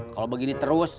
kalo begini terus